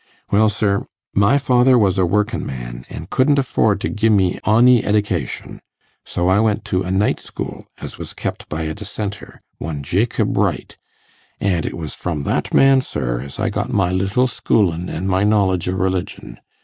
Well, sir, my father was a workin' man, an' couldn't afford to gi' me ony eddication, so I went to a night school as was kep by a Dissenter, one Jacob Wright; an' it was from that man, sir, as I got my little schoolin' an' my knowledge o' religion.